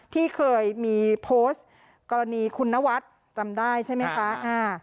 ที่เคยมีโพสต์กรณีคุณนวัดจำได้ใช่ไหมคะ